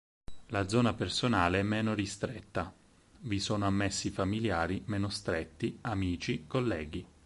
La zona personale è meno ristretta: vi sono ammessi familiari meno stretti, amici, colleghi.